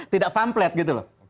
tidak pamplet gitu loh